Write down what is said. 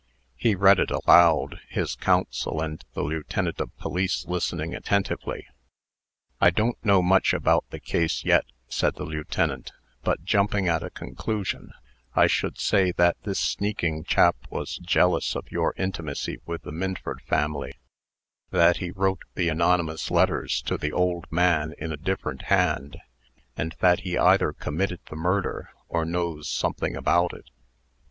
He read it aloud, his counsel and the lieutenant of police listening attentively. "I don't know much about the case yet," said the lieutenant, "but, jumping at a conclusion, I should say that this sneaking chap was jealous of your intimacy with the Minford family; that he wrote the anonymous letters to the old man, in a different hand, and that he either committed the murder, or knows something about it.